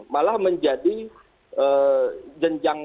malah menjadi jenjang